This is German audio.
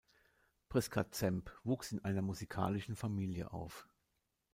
Priska Zemp wuchs in einer musikalischen Familie auf.